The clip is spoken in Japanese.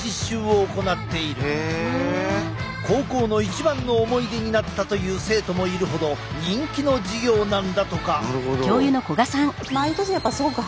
高校の一番の思い出になったという生徒もいるほど人気の授業なんだとか。